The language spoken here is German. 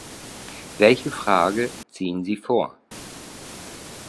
Welche Frage ziehen Sie vor?